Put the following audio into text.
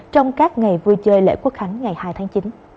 trong các ngày vui chơi lễ quốc khánh ngày hai tháng chín